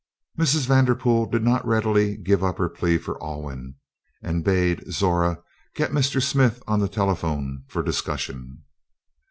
Mrs. Vanderpool did not readily give up her plea for Alwyn, and bade Zora get Mr. Smith on the telephone for discussion.